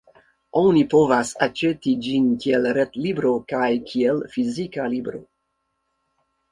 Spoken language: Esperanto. Oni povas aĉeti ĝin kiel ret-libro kaj kiel fizika libro.